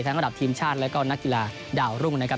ระดับทีมชาติแล้วก็นักกีฬาดาวรุ่งนะครับ